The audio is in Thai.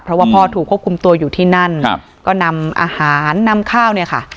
เพราะว่าพ่อถูกควบคุมตัวอยู่ที่นั่นครับก็นำอาหารนำข้าวเนี่ยค่ะ